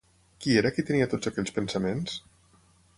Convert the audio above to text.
Qui era qui tenia tots aquells pensaments?